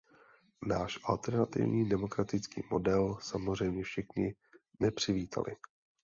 Náš alternativní demokratický model samozřejmě všichni nepřivítali.